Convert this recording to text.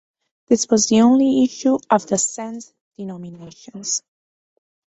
This was the only issue of the cent denominations.